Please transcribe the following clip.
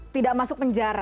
tidak masuk penjara